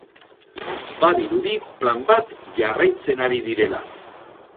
Badirudi plan bat jarraitzen ari direla.